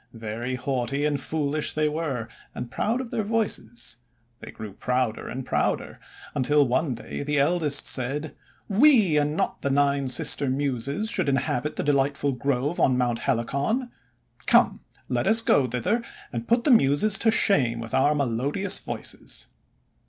Very haughty and 92 THE WONDER GARDEN foolish they were, and proud of their voices, They grew prouder and prouder, until one day the eldest said: — "We, and not the Nine Sister Muses, should inhabit the delightful Grove on Mount Helicon. Come, let us go thither, and put the Muses to shame with our melodious voices."